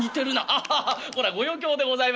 アハハッこれはご余興でございまし」。